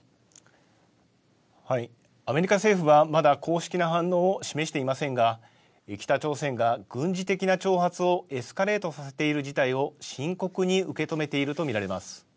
アメリカ政府は、まだ公式な反応を示していませんが、北朝鮮が軍事的な挑発をエスカレートさせている事態を深刻に受け止めていると見られます。